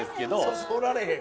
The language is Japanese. そそられへん。